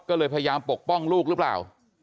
ก็เลยพยายามปกป้องลูกหรือเปล่า